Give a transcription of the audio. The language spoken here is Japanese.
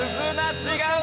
違う！